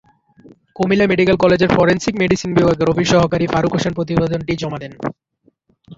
Comilla medical কলেজের forensic medicine বিভাগের office সহকারী ফারুক হোসেন প্রতিবেদনটি জমা দেন।